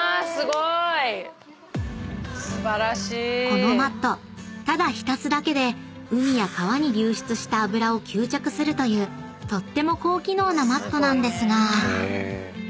［このマットただ浸すだけで海や川に流出した油を吸着するというとっても高機能なマットなんですが］